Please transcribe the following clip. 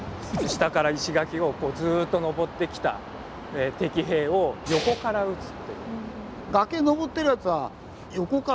下から石垣をずっと登ってきた敵兵を横から撃つっていう。